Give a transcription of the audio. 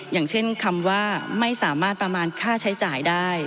อย่างเช่นคำว่าไม่สามารถประมาณค่าใช้จ่ายได้